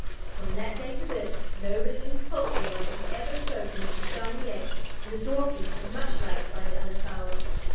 From that day to this, nobody in the poultry yard has ever spoken of the shiny egg, and the Dorkings are much liked by the other fowls.